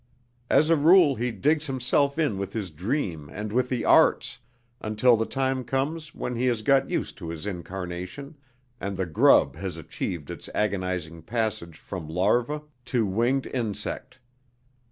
As a rule he digs himself in with his dream and with the arts, until the time comes when he has got used to his incarnation, and the grub has achieved its agonizing passage from larva to winged insect.